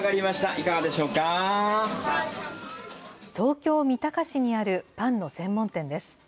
東京・三鷹市にあるパンの専門店です。